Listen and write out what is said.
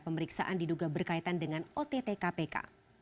pemeriksaan diduga berkaitan dengan ott kpk